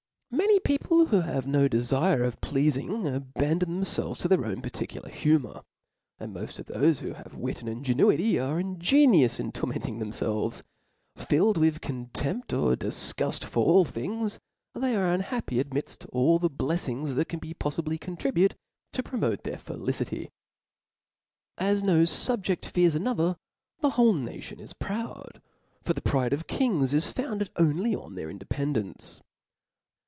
Many peo{5le wlw> have no dcfire of plcafing, abandon themfelves to their own ^particular hu mour ; and moft ^of thofe who have wit and in genuity arc ingenious in tormenting themfelves : filled with a contempt or difguft' for all things, they are unhappy amidft all the bleflings that can poffibly contribute to promote their felicity. As no fubjeft fears another, the whole nation is proud ; for the pride of kings is founded only on their independence.